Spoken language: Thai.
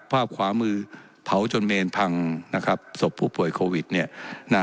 ภาพขวามือเผาจนเมนพังนะครับศพผู้ป่วยโควิดเนี่ยนะ